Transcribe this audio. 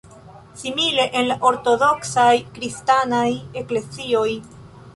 Simile en la ortodoksaj kristanaj eklezioj.